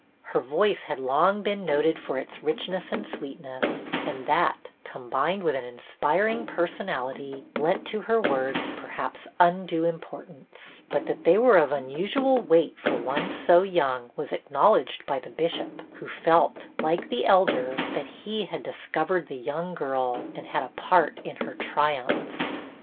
Her voice had long been noted for its richness and sweetness, and that, combined with an inspiring personality, lent to her words, perhaps, undue importance ; but that they were of unusual weight for one so young was acknowledged by the Bishoji, who felt, like the Elder, that he had discov ered the young girl and had a part in her triumphs.